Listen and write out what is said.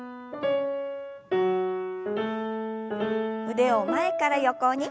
腕を前から横に。